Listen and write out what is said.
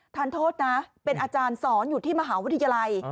ทานโทษนะเป็นอาจารย์สอนอยู่ที่มหาวิทยาลัย